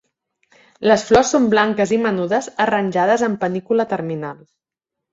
Les flors són blanques i menudes arranjades en panícula terminal.